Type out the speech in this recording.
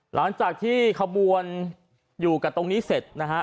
หลังจากที่ขบวนอยู่กับตรงนี้เสร็จนะฮะ